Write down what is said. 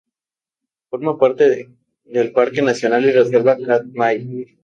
Forma parte del parque nacional y reserva Katmai.